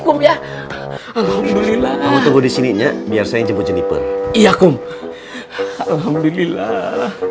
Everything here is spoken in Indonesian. kum ya alhamdulillah kamu tunggu di sininya biar saya jemput jeniper iya kum alhamdulillah